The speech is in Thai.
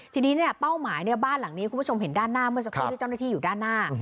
ทีนี้เป้าหมายบ้านหลังนี้คุณผู้ชมเห็นด้านหน้าเมื่อสักครู่ที่เจ้าหน้าที่อยู่ด้านหน้า